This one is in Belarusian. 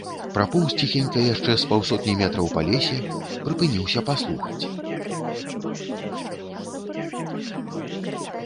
Прапоўз ціхенька яшчэ з паўсотні метраў па лесе, прыпыніўся паслухаць.